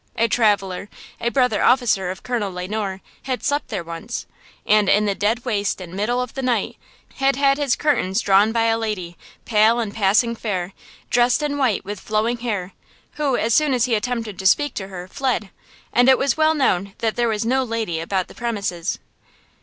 A traveler, a brother officer of Colonel Le Noir, had slept there once, and, "in the dead waste and middle of the night," had had his curtains drawn by a lady, pale and passing fair, dressed in white, with flowing hair, who, as soon as he attempted to speak to her, fled. And it was well known that there was no lady about the premises.